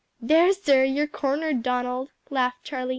"There, sir, you're cornered, Donald!" laughed Charlie.